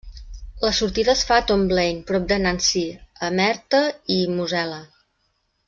La sortida es fa a Tomblaine, prop de Nancy, a Meurthe i Mosel·la.